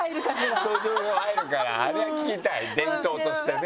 同情票入るからあれは聞きたい伝統としてね。